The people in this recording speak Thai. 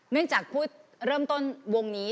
เนื่องจากพูดเริ่มต้นวงนี้